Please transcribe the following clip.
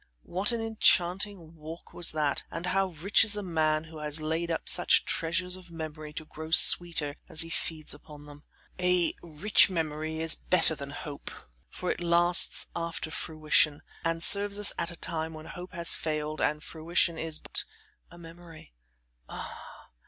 What an enchanting walk was that, and how rich is a man who has laid up such treasures of memory to grow the sweeter as he feeds upon them. A rich memory is better than hope, for it lasts after fruition, and serves us at a time when hope has failed and fruition is but a memory. Ah!